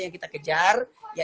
yang kita kejar